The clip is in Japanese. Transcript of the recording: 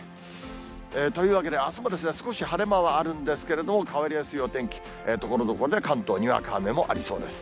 というわけで、あすも少し晴れ間はあるんですけれども、変わりやすいお天気、ところどころで関東、にわか雨もありそうです。